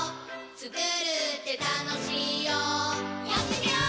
つくるってたのしいよやってみよー！